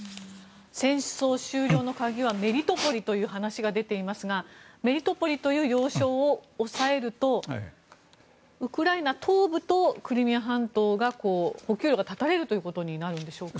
戦争終了の鍵はメリトポリという話が出ていますがメリトポリという要衝を押さえるとウクライナ東部とクリミア半島が補給路が断たれることになるんでしょうか。